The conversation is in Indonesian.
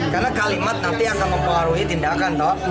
karena kalimat nanti akan mempengaruhi tindakan